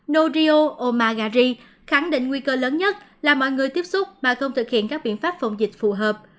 norio omagari khẳng định nguy cơ lớn nhất là mọi người tiếp xúc mà không thực hiện các biện pháp phòng dịch phù hợp